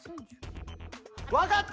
分かった！